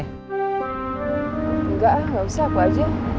enggak enggak usah aku aja